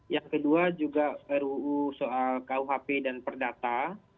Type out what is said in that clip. yang kedua juga ruu soal kuhp dan perdata